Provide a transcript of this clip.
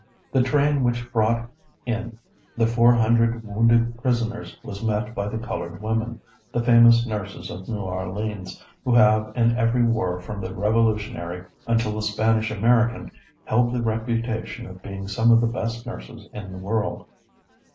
The train which brought in the four hundred wounded prisoners was met by the colored women, the famous nurses of New Orleans, who have in every war from the Revolutionary until the Spanish American held the reputation of being some of the best nurses in the world.